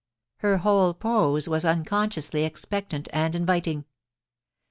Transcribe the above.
Her whole pose was unconsciously expectant and inviting.